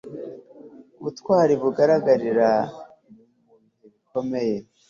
ubutwari bugaragarira mu bihe bikomeye